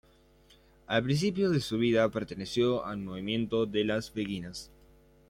Al principio de su vida perteneció al movimiento de las beguinas.